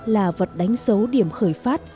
là vật đánh dấu điểm khởi phát